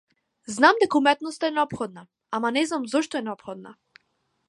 Знам дека уметноста е неопходна, ама не знам зошто е неопходна.